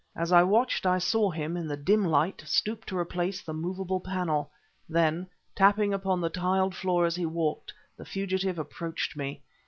As I watched I saw him, in the dim light, stoop to replace the movable panel. Then, tapping upon the tiled floor as he walked, the fugitive approached me.